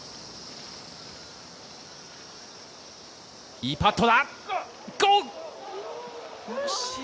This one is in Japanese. いいパットだ、ゴー！